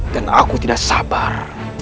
dan aku tidak sabar